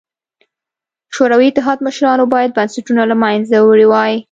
شوروي اتحاد مشرانو باید بنسټونه له منځه وړي وای.